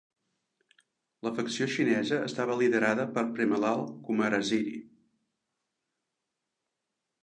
La facció xinesa estava liderada per Premalal Kumarasiri.